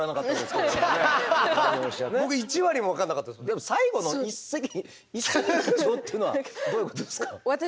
でも最後の「一石二鳥」というのはどういうことですか？